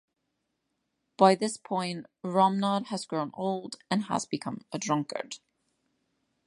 By this point, Romnod has grown old and has become a drunkard.